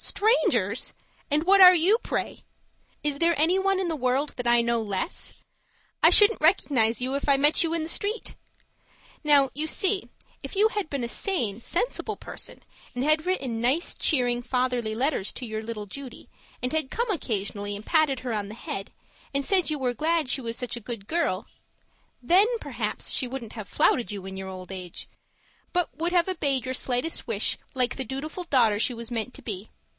Strangers! And what are you, pray? Is there anyone in the world that I know less? I shouldn't recognize you if I met you in the street. Now, you see, if you had been a sane, sensible person and had written nice, cheering fatherly letters to your little Judy, and had come occasionally and patted her on the head, and had said you were glad she was such a good girl Then, perhaps, she wouldn't have flouted you in your old age, but would have obeyed your slightest wish like the dutiful daughter she was meant to be.